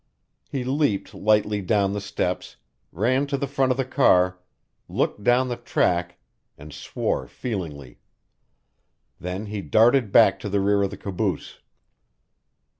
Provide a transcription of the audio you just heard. He leaped lightly down the steps, ran to the front of the car, looked down the track, and swore feelingly. Then he darted back to the rear of the caboose.